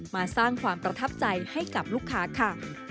มาสร้างความประทับใจให้กับลูกค้าค่ะ